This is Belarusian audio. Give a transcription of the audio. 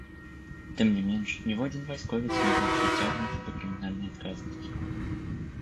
Тым не менш, ніводзін вайсковец не быў прыцягнуты да крымінальнай адказнасці.